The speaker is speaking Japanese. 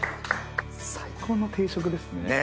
最高の定食ですね。